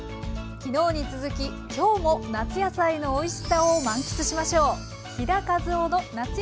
昨日に続き今日も夏野菜のおいしさを満喫しましょう。